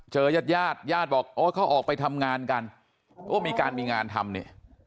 เจอยาดยาดบอกเขาออกไปทำงานกันก็มีการมีงานทำเนี่ย